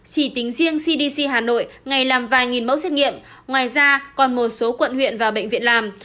chỉ tính riêng cdc hà nội ngày làm vài nghìn mẫu xét nghiệm ngoài ra còn một số quận huyện và bệnh viện làm